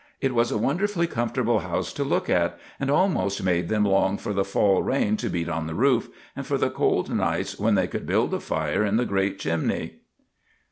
It was a wonderfully comfortable house to look at, and almost made them long for the fall rain to beat on the roof, and for the cold nights when they could build a fire in the great chimney.